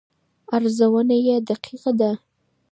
ارزونه یې دقیقه ده.